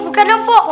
bukan ya po